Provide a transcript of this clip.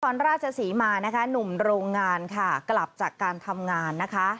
ราชศรีมานะคะหนุ่มโรงงานค่ะกลับจากการทำงานนะคะ